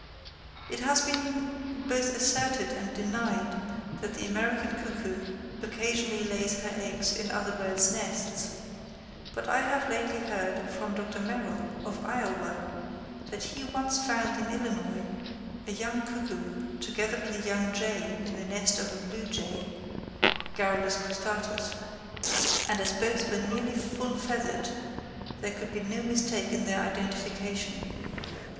It has been both asserted and denied that the American cuckoo occasionally lays her eggs in other birds' nests; but I have lately heard from Dr. Merrill, of Iowa, that he once found in Illinois a young cuckoo, together with a young jay in the nest of a blue jay (Garrulus cristatus); and as both were nearly full feathered, there could be no mistake in their identification.